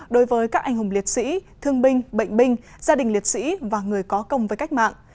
đối với các anh hùng liệt sĩ thương binh bệnh binh gia đình liệt sĩ và người có công với cách mạng